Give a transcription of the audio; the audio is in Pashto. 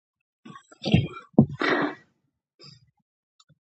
زما ګاونډیان چین تاجکستان ازبکستان ترکنستان ایران او پاکستان دي